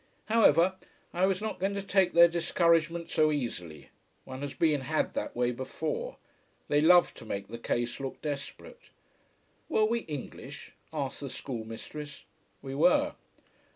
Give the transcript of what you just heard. However, I was not going to take their discouragement so easily. One has been had that way before. They love to make the case look desperate. Were we English? asked the schoolmistress. We were.